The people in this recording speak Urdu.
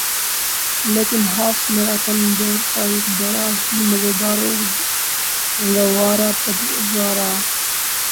لیکن ہاف میراتھن دوڑ ایک بڑا ہی مزیدار اور گوارہ تجربہ رہا